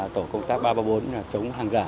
tổ công tác ba trăm ba mươi bốn là chống hàng giả